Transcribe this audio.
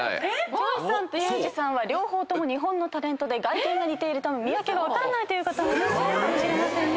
「ＪＯＹさんとユージさんは両方日本のタレントで外見が似ているため見分け方が分からない方もいらっしゃるかもしれませんね。